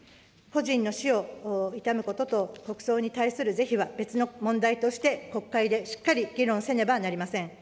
故人の死を悼むことと、国葬に対する是非は別の問題として、国会でしっかり議論せねばなりません。